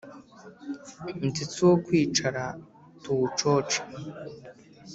ndetse uwo kwicara tuwucoce,